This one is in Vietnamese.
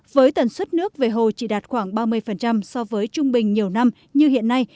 với tần suất nước về hồ chỉ đạt khoảng ba mươi so với trung bình nhiều năm như hiện nay